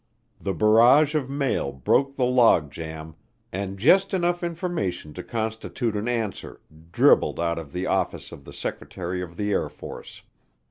The barrage of mail broke the log jam and just enough information to constitute an answer dribbled out of the Office of the Secretary of the Air Force.